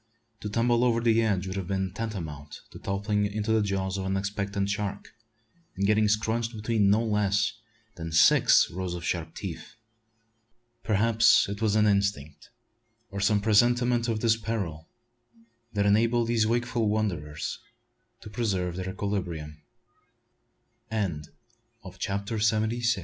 To tumble over the edge would have been tantamount to toppling into the jaws of an expectant shark, and getting "scrunched" between no less than six rows of sharp teeth. Perhaps it was an instinct or some presentiment of this peril that enabled these wakeful wanderers to preserve their equilibrium. CHAPTER SEVENTY SEVEN. A WHISP